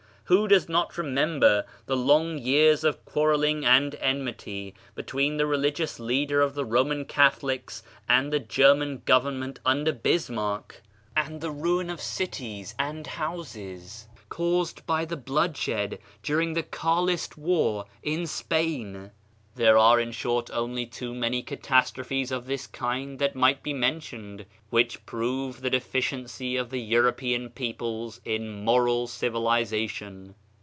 Who does not remember the long years of quarrelling and enmity between the religious 72 Digitized by Google OF CIVILIZATION leader of the Roman Catholics and the German Government under Bismarck? And the ruin of cities and houses caused by the bloodshed during the Carlist War in Spain? There are in short only too many catastrophes of this kind that might be mentioned which prove the deficiency of the European peoples in moral civilization.